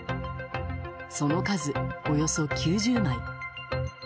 その数およそ９０枚。